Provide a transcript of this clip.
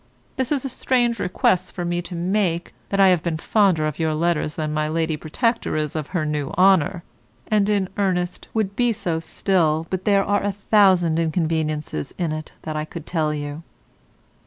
This is a strange request for me to make, that have been fonder of your letters than my Lady Protector is of her new honour, and, in earnest, would be so still but there are a thousand inconveniences in't that I could tell you.